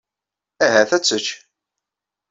Ahat ad tečč.